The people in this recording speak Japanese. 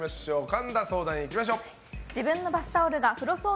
神田相談員いきましょう。